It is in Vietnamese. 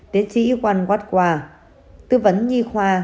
tiến sĩ juan guadua tư vấn nhi khoa